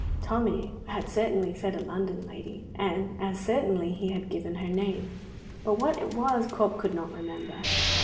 Tommy had certainly said a London lady, and as certainly he had given her name, but what it was Corp could not remember.